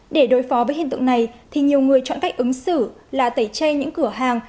để đối phó với hiện tượng này thì nhiều người chọn cách ứng xử là tẩy chay những cửa hàng